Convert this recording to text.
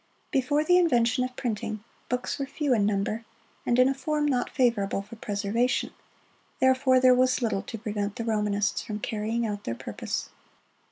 Before the invention of printing, books were few in number, and in a form not favorable for preservation; therefore there was little to prevent the Romanists from carrying out their purpose.